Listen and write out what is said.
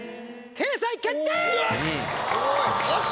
掲載決定！